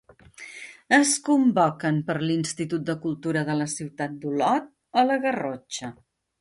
Es convoquen per l'Institut de Cultura de la Ciutat d'Olot, a la Garrotxa.